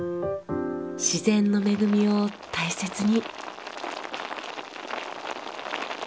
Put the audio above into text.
自然の恵みを大切に。